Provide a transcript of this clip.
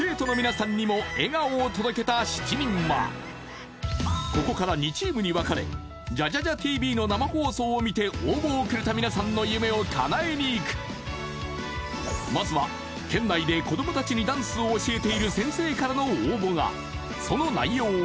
うん大丈夫７人はここから２チームに分かれじゃじゃじゃＴＶの生放送を見て応募をくれた皆さんの夢を叶えにいくまずは県内で子ども達にダンスを教えている先生からの応募がその内容は？